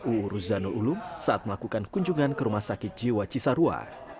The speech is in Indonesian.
uu ruzanul ulum saat melakukan kunjungan ke rumah sakit jiwa cisarua